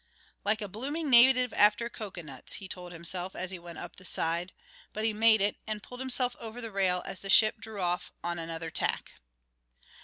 "Like a blooming native after cocoanuts," he told himself as he went up the side. But he made it and pulled himself over the rail as the ship drew off on another tack.